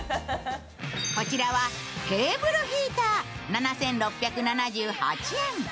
こちらはテーブルヒーター、７６７８円。